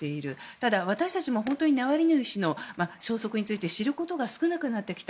ただ、私たちも本当にナワリヌイ氏の消息について知ることが少なくなってきた。